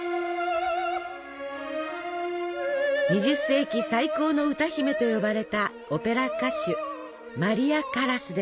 ２０世紀最高の歌姫と呼ばれたオペラ歌手